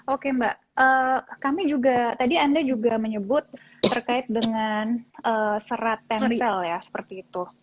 oke mbak kami juga tadi anda juga menyebut terkait dengan serat tensel ya seperti itu